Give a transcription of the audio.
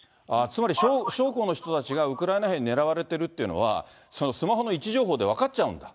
つまり将校の人たちがウクライナ兵に狙われているっていうのは、そのスマホの位置情報で分かっちゃうんだ。